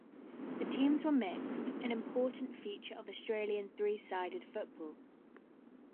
The teams were mixed - an important feature of Australian Three Sided Football.